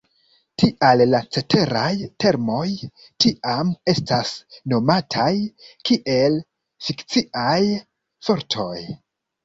Tial la ceteraj termoj tiam estas nomataj kiel "fikciaj fortoj".